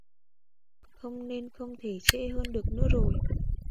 Không nên không thể trễ hơn được nữa rồi